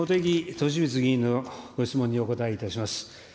敏充議員のご質問にお答えいたします。